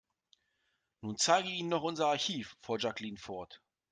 Nun zeige ich Ihnen noch unser Archiv, fuhr Jacqueline fort.